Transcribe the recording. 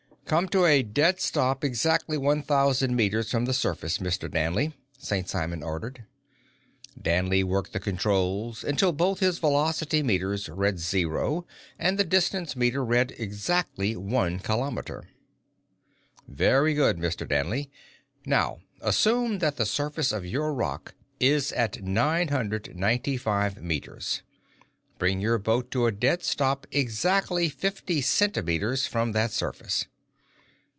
"Come to a dead stop exactly one thousand meters from the surface, Mr. Danley," St. Simon ordered. Danley worked the controls until both his velocity meters read zero, and the distance meter read exactly one kilometer. "Very good, Mr. Danley. Now assume that the surface of your rock is at nine hundred ninety five meters. Bring your boat to a dead stop exactly fifty centimeters from that surface."